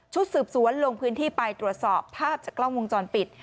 สืบสวนลงพื้นที่ไปตรวจสอบภาพจากกล้องวงจรปิด